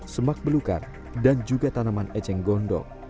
semak belukar dan juga tanaman eceng gondok